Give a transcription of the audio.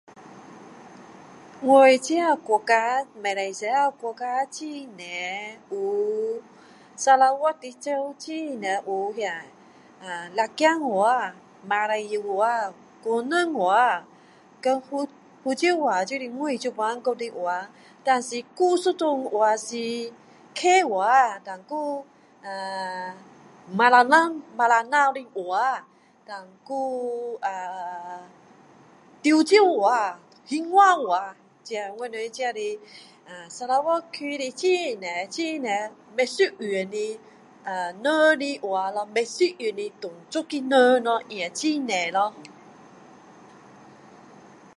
我这国家马来西亚国家很多有Sarawak 的这有很多有这个啊辣子话马来话广东话跟福州话就是我现在讲的话但是还有一种话是客话还有啊马兰瑙的话还有啊潮州话兴化话这就是我们Sarawak 的很多很对不一样啊不一样种族的人咯也很多咯